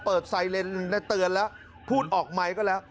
เปิดไซเลนเตือนแล้วพูดออกไมค์ก็แล้ว